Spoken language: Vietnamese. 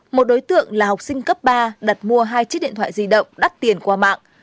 một đối tượng là học sinh cấp ba đặt mua hai chiếc điện thoại di động đắt tiền qua mạng